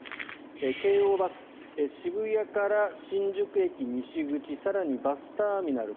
京王バス渋谷から新宿駅西口更にバスターミナル